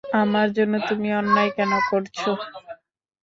আমার জন্য তুমি অন্যায় কেন করছ।